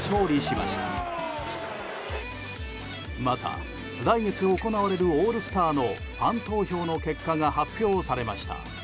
また、来月行われるオールスターのファン投票の結果が発表されました。